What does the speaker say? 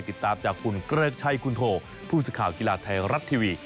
ติดตามจากคุณเกริกชัยคุณโทผู้สื่อข่าวกีฬาไทยรัฐทีวี